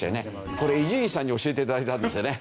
これ伊集院さんに教えて頂いたんですよね。